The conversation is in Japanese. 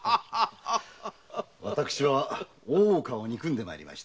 私は大岡を憎んで参りました。